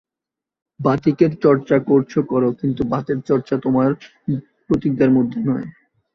বাতিকের চর্চা করছ করো, কিন্তু বাতের চর্চা তোমাদের প্রতিজ্ঞার মধ্যে নয়।